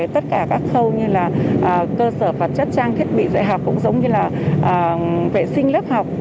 tất cả các khâu như là cơ sở vật chất trang thiết bị dạy học cũng giống như là vệ sinh lớp học